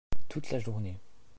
Toute la journée.